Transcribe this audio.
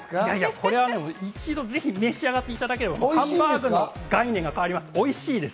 いやいや、これはぜひ一度召し上がっていただければ、ハンバーグの概念が変わります。